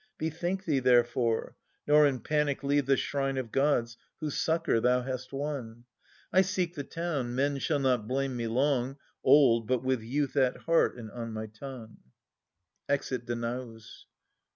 Bethink thee therefore, nor in panic leave The shrine 9f gods whose succour thou hast won. I > ^ckl iie to w n — men shall not blame me long, Old, but with youth at heart and on my tongue. \Exit Danaus.